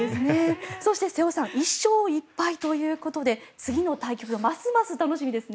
そして瀬尾さん１勝１敗ということで次の対局がますます楽しみですね。